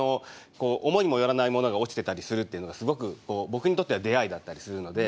思いも寄らないものが落ちてたりするっていうのがすごく僕にとっては出会いだったりするので。